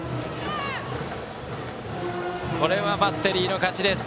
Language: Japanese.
これはバッテリーの勝ちです。